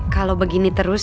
kalau begini terus